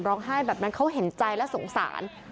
ร้องไห้แบบนั้นเขาเห็นใจและสงสาร